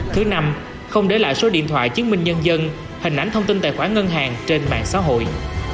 thứ năm không để lại số điện thoại chứng minh nhân dân hình ảnh thông tin tài khoản ngân hàng trên mạng xã hội